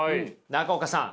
中岡さん